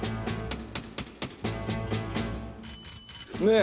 ねえ。